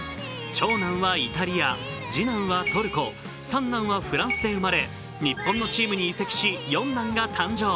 長男はイタリア、次男はトルコ、三男はフランスで生まれ日本のチームに移籍し、四男が誕生。